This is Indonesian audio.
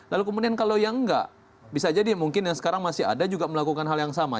lalu kemudian kalau yang enggak bisa jadi mungkin yang sekarang masih ada juga melakukan hal yang sama